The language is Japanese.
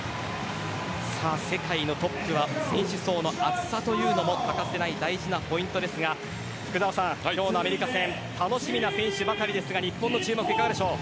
世界のトップは選手層の厚さというのもかかせない大事なポイントですが今日のアメリカ戦楽しみな選手ばかりですが日本の注目いかがでしょう。